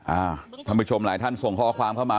ท่านผู้ชมหลายท่านส่งข้อความเข้ามา